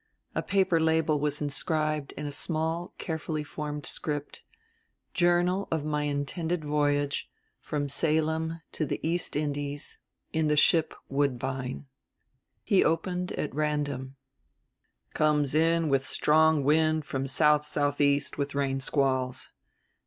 A paper label was inscribed in a small, carefully formed script, "Journal of my intended voyage from Salem to the East Indies in the Ship Woodbine." He opened at random: "Comes in with strong wind from SSE with rain squalls.